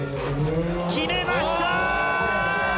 決めました！